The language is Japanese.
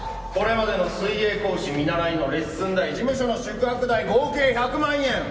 これまでの水泳講師見習いのレッスン代事務所の宿泊代合計１００万円！